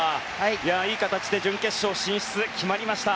いい形で準決勝進出が決まりました。